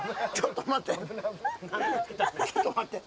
ちょっと待って。